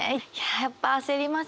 やっぱ焦りますし。